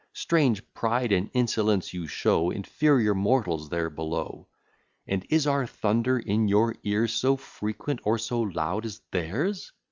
Strange pride and insolence you show Inferior mortals there below. And is our thunder in your ears So frequent or so loud as theirs?